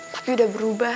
tapi udah berubah